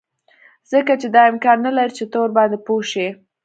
ځکه چې دا امکان نلري چې ته ورباندې پوه شې